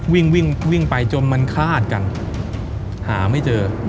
วิ่งวิ่งไปจนมันคาดกันหาไม่เจอ